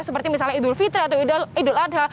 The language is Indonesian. seperti misalnya idul fitri atau idul adha